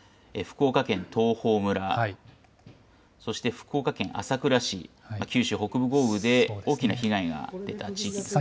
福岡県東峰村、そして福岡県朝倉市、九州北部豪雨で大きな被害が出た地域ですね。